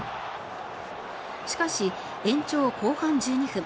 しかし、延長後半１２分。